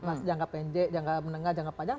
mas jangka penjek jangka menengah jangka padang